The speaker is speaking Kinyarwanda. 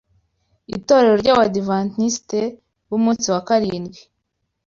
ITORERO RY’ABADIVENTISTI B’UMUNSI WA KARINDWI